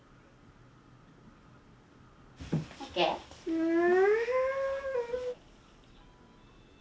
うん。